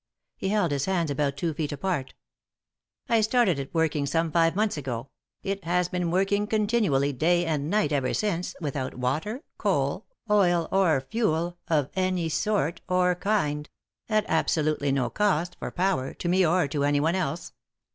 He held his hands about two feet apart "I started it working some five months ago; it has been working continually, day and night, ever since, without water, coal, oil, or fuel of any sort or kind — at absolutely no cost, for power, to me or to anyone else.